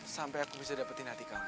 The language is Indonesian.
sampai aku bisa dapetin hati kamu